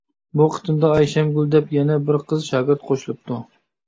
بۇ قېتىمدا ئايشەمگۈل دەپ يەنە بىر قىز شاگىرت قوشۇلۇپتۇ.